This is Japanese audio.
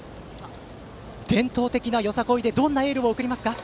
伝統的なよさこいでどんなエールを送りますか？